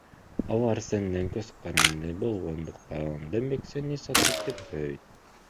Алар сенден көз каранды болгондуктан, демек сени сатып кетпейт.